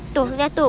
tuh liat tuh